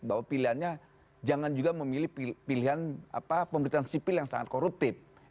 bahwa pilihannya jangan juga memilih pilihan pemerintahan sipil yang sangat koruptif